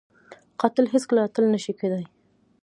قاتل هیڅ کله اتل نه شي کېدای